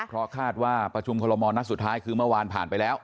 เพราะคาดว่าประชุมคอลโมนัดสุดท้ายคือเมื่อวานผ่านไปแล้ว